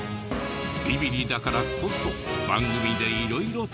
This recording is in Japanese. ビビリだからこそ番組で色々体験してきた。